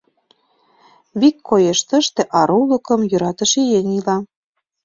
Вик коеш: тыште арулыкым йӧратыше еҥ ила.